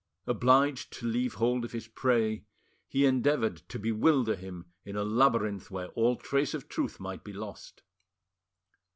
Obliged to leave hold of his prey, he endeavoured to bewilder him in a labyrinth where all trace of truth might be lost.